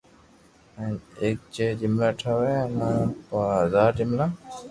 جي ايڪ ھي جملا ٺاوا اي مون ٻو ھزار جملا